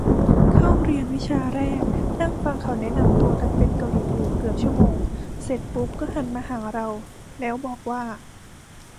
เข้าเรียนวิชาแรก นั่งฟังเขาแนะนำตัวกันเป็นเกาหลีอยู่เกือบชั่วโมง เสร็จปุ๊บก็หันมาหาเราแล้วบอกว่า